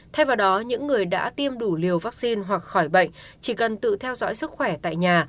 thay vào đó những người đã tiêm đủ liều vaccine hoặc khỏi bệnh chỉ cần tự theo dõi sức khỏe tại nhà